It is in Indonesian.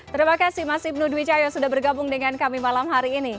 terima kasih mas ibnu dwi cahyo sudah bergabung dengan kami malam hari ini